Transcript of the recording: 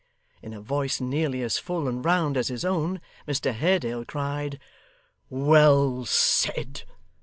In a voice nearly as full and round as his own, Mr Haredale cried 'Well said!